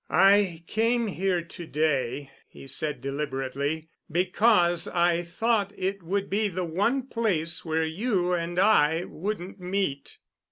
"I came here to day," he said deliberately, "because I thought it would be the one place where you and I wouldn't meet."